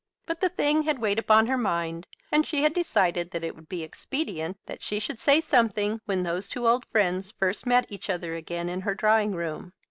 But the thing had weighed upon her mind, and she had decided that it would be expedient that she should say something when those two old friends first met each other again in her drawing room.